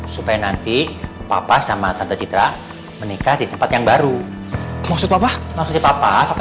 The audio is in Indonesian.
yaawhat came nanti papa sama tante citra menikah di tempat yang baru kepala pakai